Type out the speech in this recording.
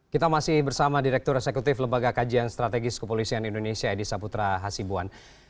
kita masih bersama direktur eksekutif lembaga kajian strategis kepolisian indonesia edi saputra hasibuan